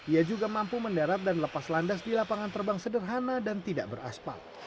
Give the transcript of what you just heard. ia juga mampu mendarat dan lepas landas di lapangan terbang sederhana dan tidak beraspal